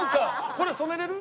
これ染めれる？